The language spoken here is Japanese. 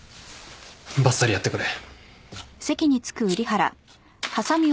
ばっさりやってくれ。